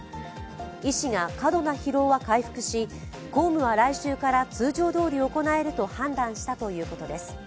医師が過度な疲労は回復し公務は来週から通常どおり行えると判断したということです。